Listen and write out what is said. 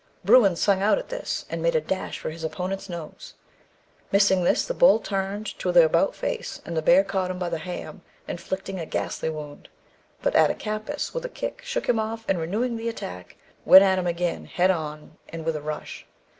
Bruin 'sung out' at this, 'and made a dash for his opponent's nose.' "Missing this, the bull turned to the 'about face,' and the bear caught him by the ham, inflicting a ghastly wound. But Attakapas with a kick shook him off, and renewing the attack, went at him again, head on and with a rush.